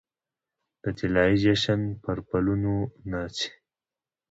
د طلايې جشن پرپلونو ناڅي